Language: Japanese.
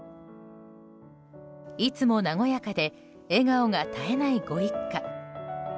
いつも和やかで笑顔が絶えないご一家。